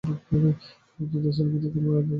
পরবর্তীতে স্থলাভিষিক্ত খেলোয়াড়রূপে দলে যোগ দেন।